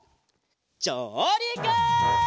じょうりく！